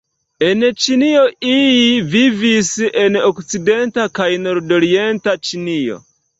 En Ĉinio iii vivis en okcidenta kaj nordorienta Ĉinio.